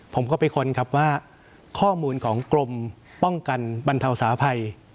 ผมก็ไปค้นครับว่าข้อมูลของกรมป้องกันบรรเทาสาภัย